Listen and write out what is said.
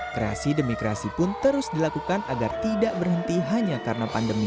kreasi demi kreasi pun terus dilakukan agar tidak berhenti hanya karena pandemi